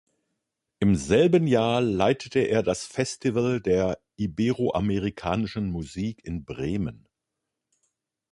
Im selben Jahr leitete er das Festival der iberoamerikanischen Musik in Bremen.